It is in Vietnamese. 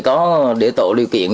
có để tổ lưu kiện